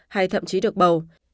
hay thậm chí được bầu